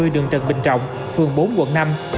đường trần bình trọng phường bốn quận năm